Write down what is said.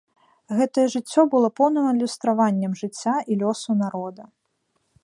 Гэтае жыццё было поўным адлюстраваннем жыцця і лёсу народа.